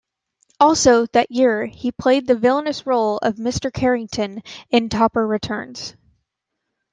Also that year he played the villainous role of Mr. Carrington in "Topper Returns".